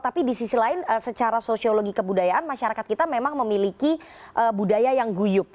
tapi di sisi lain secara sosiologi kebudayaan masyarakat kita memang memiliki budaya yang guyup